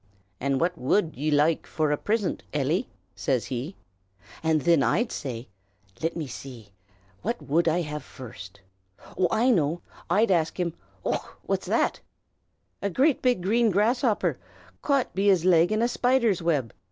"'And what wud ye loike for a prisint, Eily?' says he. "And thin I'd say lit me see! what wud I have first? Oh, I know! I'd ask him Och! what's that? A big green grasshopper, caught be his leg in a spider's wib.